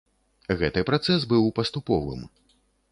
Гэты працэс быў паступовым.